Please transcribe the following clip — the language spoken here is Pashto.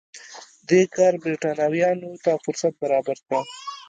دې کار برېټانویانو ته فرصت برابر کړ.